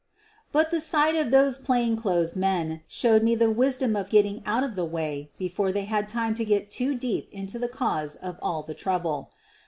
But the sight of those plain clothes men showed me the wisdom of getting out of the way before they had time to get too deep into the cause of all the trouble.